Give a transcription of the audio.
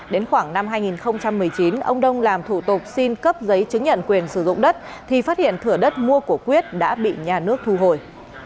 đến khoảng năm hai nghìn một mươi chín ông đông làm thủ tục xin cấp giấy chứng nhận quyền sử dụng đất thì phát hiện thửa đất mua của quyết đã bị nhà nước thu hồi